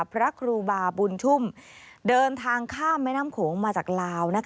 พระครูบาบุญชุ่มเดินทางข้ามแม่น้ำโขงมาจากลาว